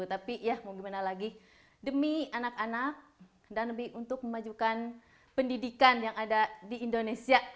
tapi ya mau gimana lagi demi anak anak dan lebih untuk memajukan pendidikan yang ada di indonesia